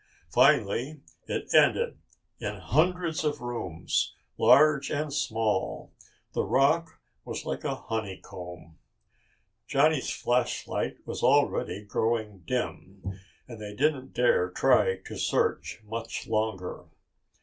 Finally it ended in hundreds of the rooms, large and small, the rock was like a honeycomb. Johnny's flashlight was already growing dim, and they didn't dare try to search much longer.